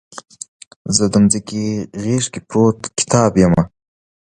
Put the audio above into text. زه دمځکې غیږ کې پروت کتاب یمه